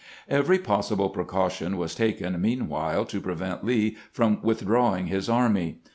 Every possible precaution was taken meanwhile to pre vent Lee from withdrawing his army.